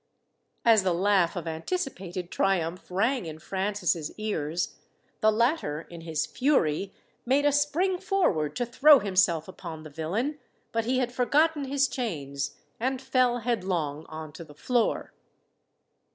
As the laugh of anticipated triumph rang in Francis's ears, the latter, in his fury, made a spring forward to throw himself upon the villain, but he had forgotten his chains, and fell headlong on to the floor.